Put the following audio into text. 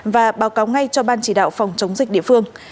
và báo cáo ngay cho ban chỉ đạo phòng chống dịch địa phương